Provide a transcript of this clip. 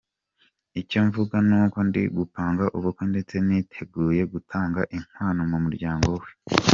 Icyo mvuga ni uko ndi gupanga ubukwe ndetse niteguye gutanga inkwano mu muryango we.